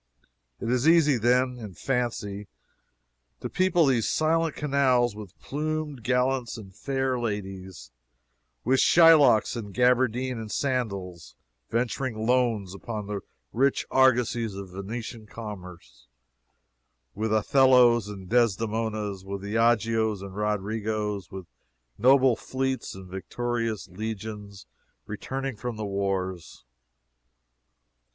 It is easy, then, in fancy, to people these silent canals with plumed gallants and fair ladies with Shylocks in gaberdine and sandals, venturing loans upon the rich argosies of Venetian commerce with Othellos and Desdemonas, with Iagos and Roderigos with noble fleets and victorious legions returning from the wars.